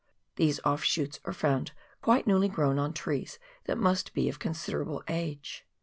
These offshoots are found quite newly grown on trees that must be of con siderable age.